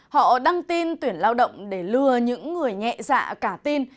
họ đăng tin tuyển lao động để lừa những người nhẹ dạ cả tin